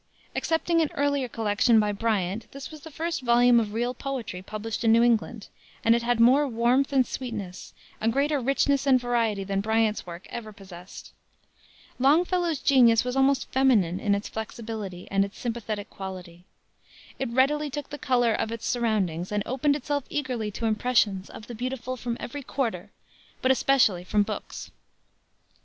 Excepting an earlier collection by Bryant this was the first volume of real poetry published in New England, and it had more warmth and sweetness, a greater richness and variety than Bryant's work ever possessed. Longfellow's genius was almost feminine in its flexibility and its sympathetic quality. It readily took the color of its surroundings and opened itself eagerly to impressions of the beautiful from every quarter, but especially from books.